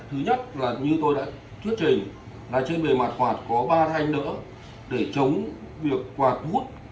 thứ nhất là như tôi đã thuyết trình là trên bề mặt quạt có ba thanh nữa để chống việc quạt bút